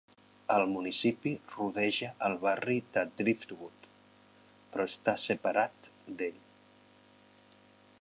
El municipi rodeja el barri de Driftwood, però està separat d'ell.